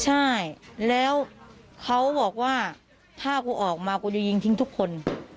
ใช่แล้วเขาบอกว่าถ้ากูออกมากูจะยิงทิ้งทุกคน